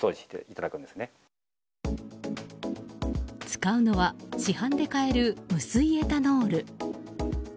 使うのは市販で買える無水エタノール。